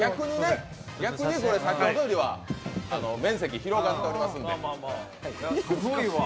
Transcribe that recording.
逆に、これ先ほどよりは面積、広がっておりますんで。